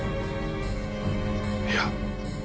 いや。